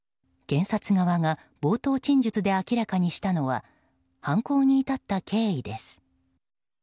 検察側が冒頭陳述で明らかにしたのは犯行に至った経緯です。